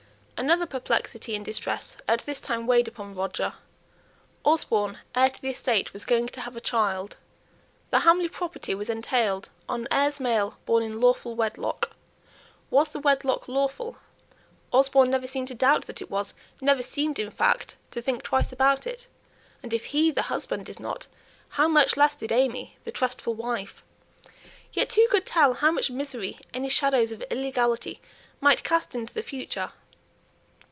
Another perplexity and distress at this time weighed upon Roger. Osborne, heir to the estate, was going to have a child. The Hamley property was entailed on "heirs male born in lawful wedlock." Was the "wedlock" lawful? Osborne never seemed to doubt that it was never seemed, in fact, to think twice about it. And if he, the husband, did not, how much less did AimÄe, the trustful wife? Yet who could tell how much misery any shadows of illegality might cast into the future?